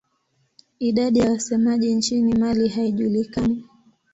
Idadi ya wasemaji nchini Mali haijulikani.